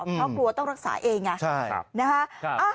อืมเขากลัวต้องรักษาเองใช่ครับนะฮะครับอ่า